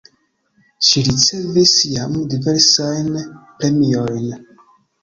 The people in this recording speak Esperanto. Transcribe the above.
Ŝi ricevis jam diversajn premiojn.